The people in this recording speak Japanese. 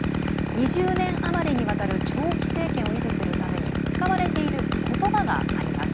２０年余りにわたる長期政権を維持するために使われていることばがあります。